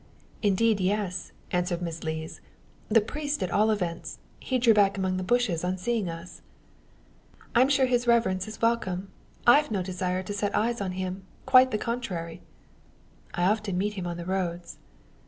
"Indeed, yes," answered Miss Lees; "the priest, at all events. He drew back among the bushes on seeing us." "I'm sure his reverence is welcome. I've no desire ever to set eyes on him quite the contrary." "I often meet him on the roads."